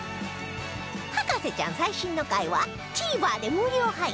『博士ちゃん』最新の回は ＴＶｅｒ で無料配信